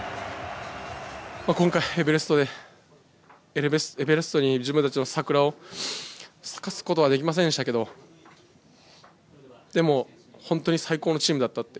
今回エベレストに自分たちの桜を咲かすことはできませんでしたけど本当に最高のチームだったって